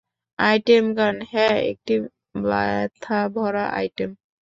Item গান, - হ্যাঁ, একটি ব্যাথা ভরা আইটেম।